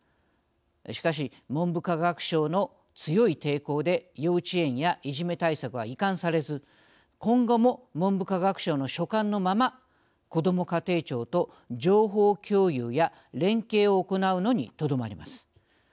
しかし文部科学省の強い抵抗で幼稚園やいじめ対策は移管されず今後も文部科学省の所管のままこども家庭庁と情報共有や連携を行うのにとどまります。